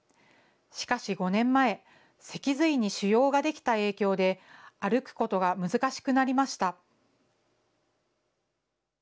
しかし５年前、脊髄に腫瘍が出来た影響で、歩くことが難しくなりました。